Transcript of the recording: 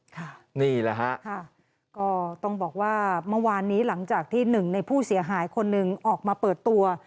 นี่แหละฮะค่ะก็ต้องบอกว่าเมื่อวานนี้หลังจากที่หนึ่งในผู้เสียหายคนหนึ่งออกมาเปิดตัว